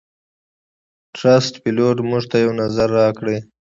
ټرسټ پیلوټ - موږ ته یو نظر راکړئ